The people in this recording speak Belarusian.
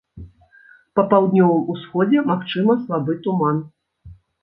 Па паўднёвым усходзе магчымы слабы туман.